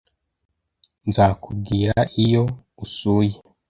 Nzakubwira iyo usuye